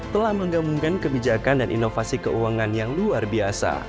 telah menggabungkan kebijakan dan inovasi keuangan yang luar biasa